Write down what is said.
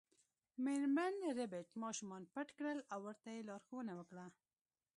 میرمن ربیټ ماشومان پټ کړل او ورته یې لارښوونه وکړه